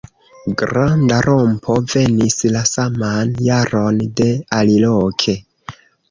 Granda rompo venis la saman jaron de aliloke.